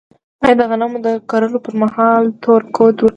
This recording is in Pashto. آیا د غنمو د کرلو پر مهال تور کود ورکړم؟